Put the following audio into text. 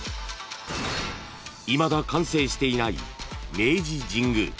［いまだ完成していない明治神宮］